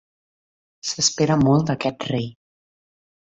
S'espera molt d'aquest rei.